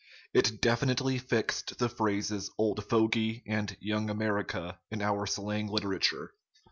It definitely fixed the phrases "old fogy" and "Young America" in our slang literature.